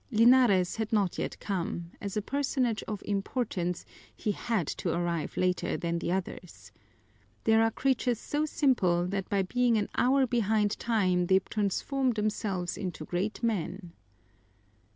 Linares had not yet come; as a personage of importance, he had to arrive later than the others. There are creatures so simple that by being an hour behind time they transform themselves into great men.